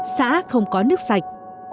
xã không có nước sạch